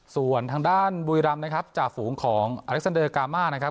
ส่วนทางด้านบุรีรำนะครับจ่าฝูงของอเล็กซันเดอร์กามานะครับ